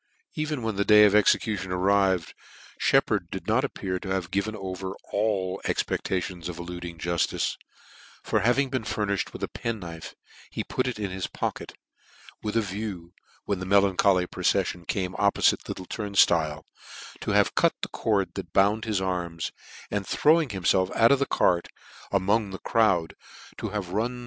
Even when the day of execution arrived, Shep pard did not appear to have given over all ex pectations of eluding juftice; for having been furnifhed with a penknife, he put it in his pocket, with a view, when the melancholy proceffion came oppofite Little Turnftile, to have cut the cord that bound his arms, and throwing himlelf out of the cart, among the crowd, to have run through JOHN SHEPPARD /*r Burglary.